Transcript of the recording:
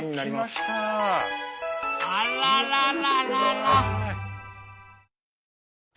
あららららら！